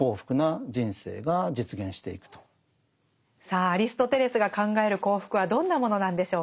さあアリストテレスが考える幸福はどんなものなんでしょうか？